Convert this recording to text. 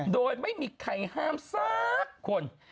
โดยไม่มีใครห้ามสักคน